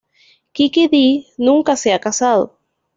Kiki Dee nunca se ha casado.